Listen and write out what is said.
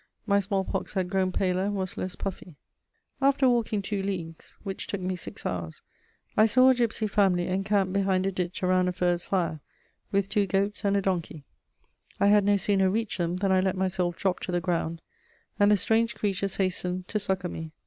My smallpox had grown paler and was less puffy. After walking two leagues, which took me six hours, I saw a gipsy family encamped behind a ditch around a furze fire, with two goats and a donkey. I had no sooner reached them than I let myself drop to the ground, and the strange creatures hastened to succour me.